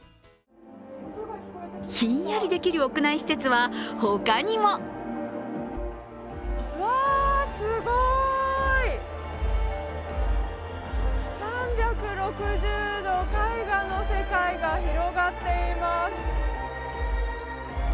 ひんやりできる屋内施設はほかにもすごい、３６０度絵画の世界が広がっています。